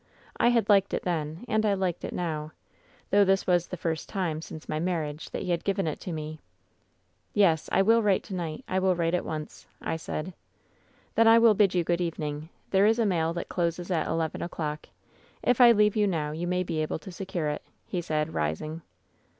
I had liked it then, and I liked it now, though this was the first time, since my marriage, that he had given it to me. " *Yes, I will write to night. I will write at once,' I said. " *Then I will bid you good evening. There is a mail that closes at eleven o'clock. If I leave you now you may be able to secure it,' he said, rising.